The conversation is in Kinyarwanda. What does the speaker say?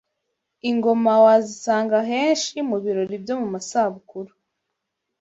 Ingoma wazisanga henshi mu birori byo mu masabukuru